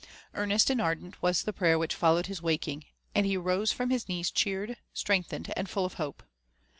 Earnest and ardent was the prayer which followed his wakttig, and ' he rose from his knees cheered, strengthened, and full of hope.